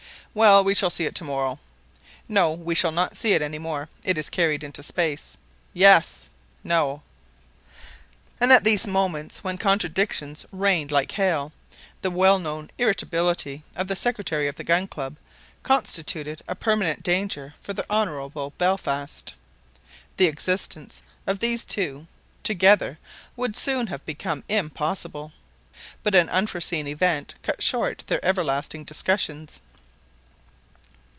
"Well, we shall see it to morrow." "No, we shall not see it any more. It is carried into space." "Yes!" "No!" And at these moments, when contradictions rained like hail, the well known irritability of the secretary of the Gun Club constituted a permanent danger for the Honorable Belfast. The existence of these two together would soon have become impossible; but an unforseen event cut short their everlasting discussions.